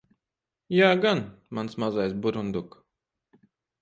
Jā gan, mans mazais burunduk.